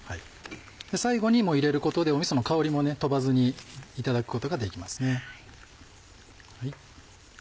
最後に入れることでみその香りも飛ばずにいただくことができますね。